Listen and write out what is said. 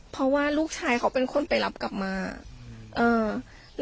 เพราะว่าลูกชายเขาเป็นคนไปรับกลับมาเอ่อ